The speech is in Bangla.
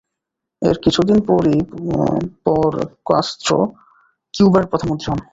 এর কিছুদিন পরই পর কাস্ত্রো কিউবার প্রধানমন্ত্রী হন।